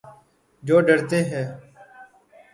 جو ڈرتے ہیں